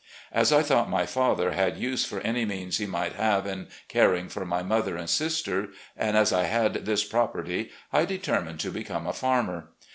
As I thought my father had use for any means he might have in caring for my mother and sisters, and as I had this property, I determined to become a farmer.